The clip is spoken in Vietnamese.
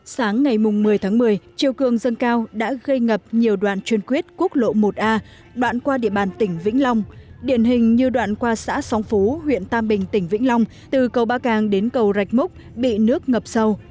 sáng ngày một mươi tháng một mươi chiều cường dâng cao đã gây ngập nhiều đoạn chuyên quyết quốc lộ một a đoạn qua địa bàn tỉnh vĩnh long điển hình như đoạn qua xã song phú huyện tam bình tỉnh vĩnh long từ cầu ba càng đến cầu rạch múc bị nước ngập sâu